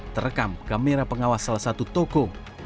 terekam kamera pengawas salah satu toko